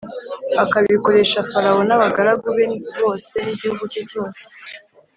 akabikorera Farawo n’abagaragu be bose n’igihugu cye cyose,